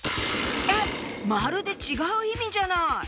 えっ⁉まるで違う意味じゃない！